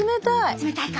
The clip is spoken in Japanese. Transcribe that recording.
冷たいか？